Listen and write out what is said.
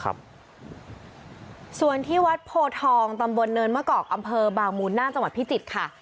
ส่วนที่วัดโพทองตำบลเนินมะกอกอำเภอบางมูลน่านจังหวัดพิจิตรค่ะ